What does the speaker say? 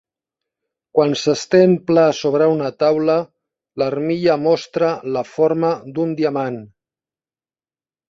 Quan s'estén pla sobre una taula, l'armilla mostra la forma d'un diamant.